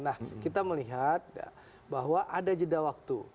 nah kita melihat bahwa ada jeda waktu